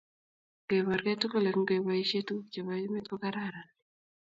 ngebor keitugul eng keboishe tuguk che be emet ko kararan